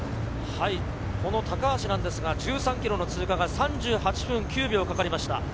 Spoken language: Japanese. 高橋ですが１３ｋｍの通過が３８分９秒かかりました。